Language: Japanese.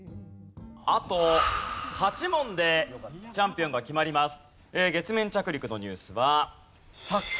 あと８問でチャンピオンが決まります。